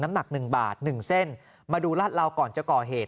น้ำหนักหนึ่งบาทหนึ่งเส้นมาดูรัดราวก่อนจะก่อเหตุ